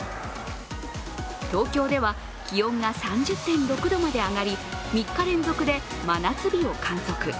東京では気温が３０．６度まで上がり３日連続で真夏日を観測。